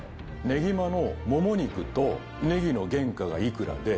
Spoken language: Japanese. ねぎまのもも肉とネギの原価がいくらで。